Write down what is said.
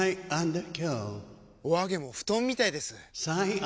お揚げも布団みたいです！